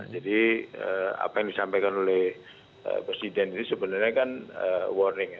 jadi apa yang disampaikan oleh presiden ini sebenarnya kan warning